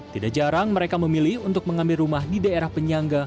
tidak jarang mereka memilih untuk mengambil rumah di daerah penyangga